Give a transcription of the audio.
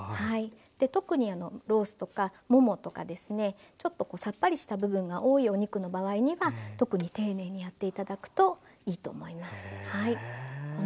特にロースとかももとかですねちょっとさっぱりした部分が多いお肉の場合には特に丁寧にやって頂くといいと思います。